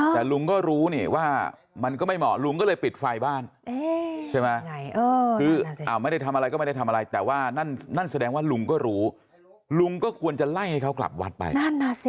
แต่ลุงก็รู้ว่ามันก็ไม่เหมาะลุงก็เลยปิดไฟบ้าน